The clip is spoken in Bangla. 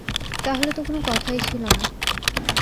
তাহলে তো কোনো কথাই ছিল না।